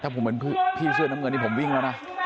ถ้าผมเป็นพี่สื่อน้ำเงินนี้ผมวิ่งแล้วนะ